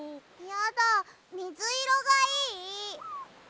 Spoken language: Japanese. やだみずいろがいい！